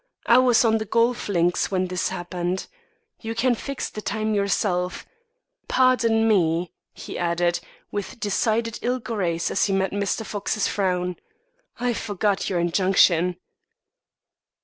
I was on the golf links when this happened. You can fix the time yourself. Pardon me," he added, with decided ill grace as he met Mr. Fox's frown. "I forgot your injunction."